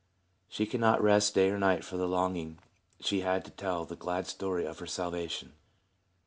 She could not rest day or night for the longing she had to tell the glad story of her salvation.